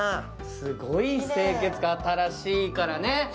すごい清潔感、新しいからね。